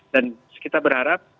dan kita berharap